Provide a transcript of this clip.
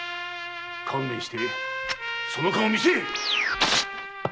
観念してその顔を見せい！